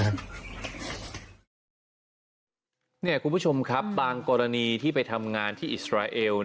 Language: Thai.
คุณผู้ชมครับบางกรณีที่ไปทำงานที่อิสราเอล